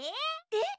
えっ？